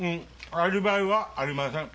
アリバイはありません。